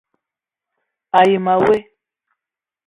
A yi ma woe :